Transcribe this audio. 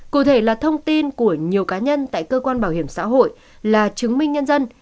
cụ thể là thông tin của nhiều cá nhân tại cơ quan bảo hiểm xã hội là chứng minh nhân dân